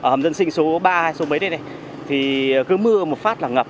hầm dân sinh số ba hay số mấy đây này thì cứ mưa một phát là ngập